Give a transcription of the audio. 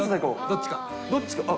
どっちか。